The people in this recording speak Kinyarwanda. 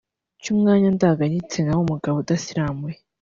cy’umwanya ndangagitsina w’umugabo udasiramuye